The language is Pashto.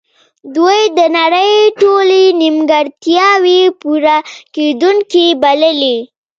دوی د نړۍ ټولې نیمګړتیاوې پوره کیدونکې بللې